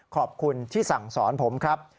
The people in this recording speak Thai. ขอบคุณที่สั่งสอนผมครับ